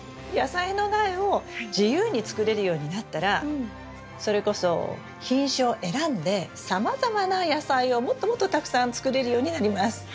野菜の苗を自由に作れるようになったらそれこそ品種を選んでさまざまな野菜をもっともっとたくさん作れるようになります。